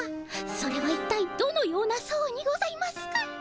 それはいったいどのような相にございますか？